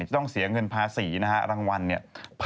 จะต้องเสียเงินภาษี